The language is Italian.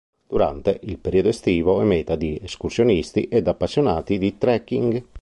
Durante il periodo estivo è meta di escursionisti ed appassionati di trekking.